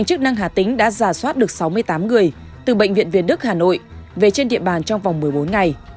chức năng hà tĩnh đã giả soát được sáu mươi tám người từ bệnh viện việt đức hà nội về trên địa bàn trong vòng một mươi bốn ngày